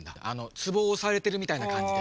ツボをおされてるみたいなかんじで？